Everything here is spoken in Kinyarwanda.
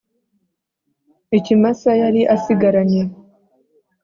ikimasa yari asigaranye